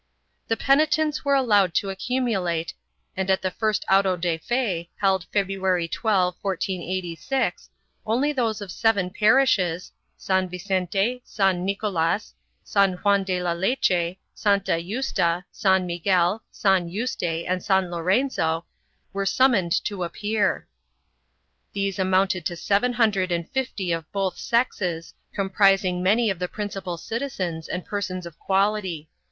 1 The penitents were allowed to accumulate and at the first auto de fe, held February 12, 1486, only those of seven parishes — San Vicente, San Nicolas, San Juan de la leche, Santa Yusta, San Miguel, San Yuste, and San Lorenzo — were summoned to appear. These amounted to seven hundred and fifty of both sexes, comprising many of the principal citizens and persons of quality.